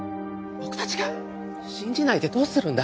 僕たちが信じないでどうするんだ。